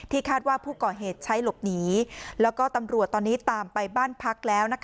ที่คาดว่าภูกรเหตุใช้หลบหนีและตำรวจตามไปบ้านพักแล้ว